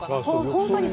本当に。